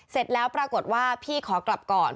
เสร็จแล้วปรากฏว่าพี่ขอกลับก่อน